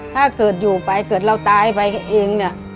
ถ้าเกิดอยู่ไปเกิดเราตายไปเองเนี่ย